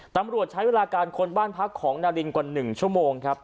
ตำรวจใช้เวลาการค้นบ้านพักของนารินกว่า๑ชั่วโมงครับ